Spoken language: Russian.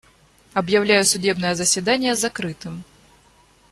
Объявляю судебное заседание закрытым.